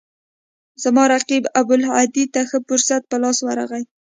زما رقیب ابوالهدی ته ښه فرصت په لاس ورغی.